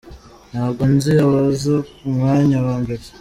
Ntabwo nzi abaza ku mwanya wa mbere